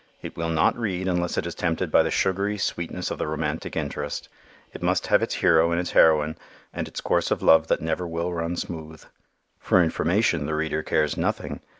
It will not read unless it is tempted by the sugary sweetness of the romantic interest. It must have its hero and its heroine and its course of love that never will run smooth. For information the reader cares nothing.